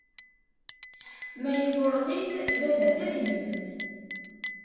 ma ifurq-it, baba-s ad immet.